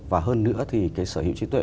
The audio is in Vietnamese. và hơn nữa thì cái sở hữu trí tuệ